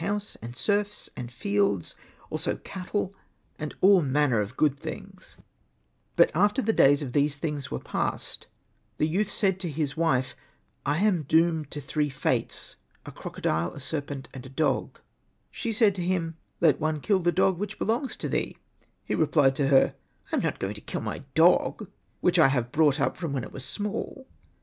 Hosted by Google THE DOOMED PRINCE 25 But after the days of these things were passed, the youth said to his wife, "" I am doomed to three fates — a crocodile, a serpent, and a dog." She said to him, ''Let one kill the dog which belongs to thee." He repHed to her, '' I am not going to kill my dog, which I have brought up from when it was small."